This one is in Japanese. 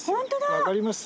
分かります？